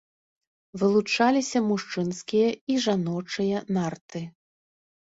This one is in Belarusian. Вылучаліся мужчынскія і жаночыя нарты.